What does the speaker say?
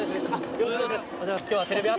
よろしくお願いします。